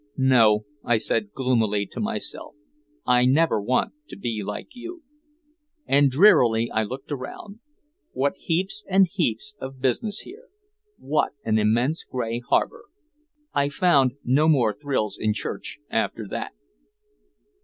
"No," I said gloomily to myself, "I never want to be like you." And drearily I looked around. What heaps and heaps of business here. What an immense gray harbor. I found no more thrills in church after that.